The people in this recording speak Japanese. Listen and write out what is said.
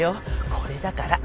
これだから。